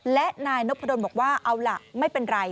และนายนพดลบอกว่าเอาล่ะไม่เป็นไร